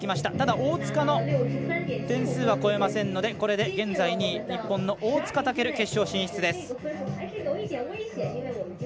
ただ、大塚の点数は超えませんのでこれで現在２位、日本の大塚健決勝進出です。